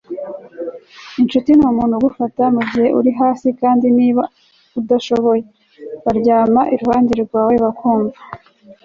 inshuti numuntu ugufasha mugihe uri hasi, kandi niba adashoboye, baryama iruhande rwawe bakumva